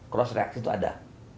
cross reaksi itu ada